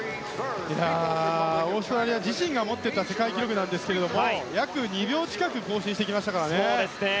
オーストラリア自身が持っていた世界記録なんですけど約２秒近く更新してきましたからね。